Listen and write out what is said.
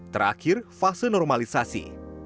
terakhir fase normalisasi